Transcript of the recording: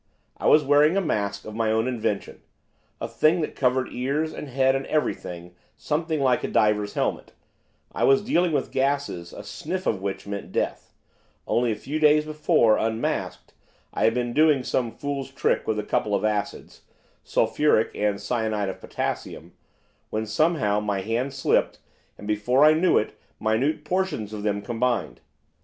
I was wearing a mask of my own invention, a thing that covered ears and head and everything, something like a diver's helmet I was dealing with gases a sniff of which meant death; only a few days before, unmasked, I had been doing some fool's trick with a couple of acids sulphuric and cyanide of potassium when, somehow, my hand slipped, and, before I knew it, minute portions of them combined.